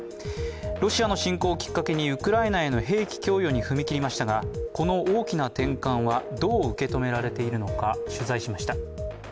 ロシアの侵攻をきっかけにウクライナへの兵器供与に踏み切りましたが、この大きな転換はどう受け止められているのか取材しました。